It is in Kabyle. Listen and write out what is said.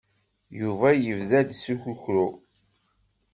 Yuba yebda-d s ukukru.